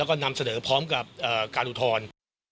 แล้วก็นำเสนอพร้อมกับการอุทธรณ์